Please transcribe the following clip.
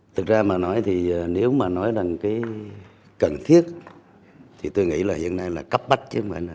thực ra mà nói thì nếu mà nói rằng cái cần thiết thì tôi nghĩ là hiện nay là cấp bách chứ không phải nói